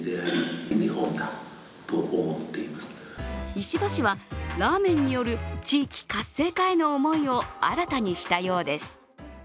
石破氏はラーメンによる地域活性化への思いを新たにしたようです。